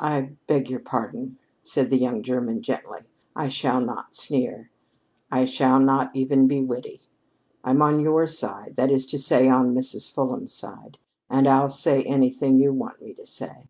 "I beg your pardon," said the young German gently. "I shall not sneer. I shall not even be witty. I'm on your side, that is to say, on Mrs. Fulham's side, and I'll say anything you want me to say."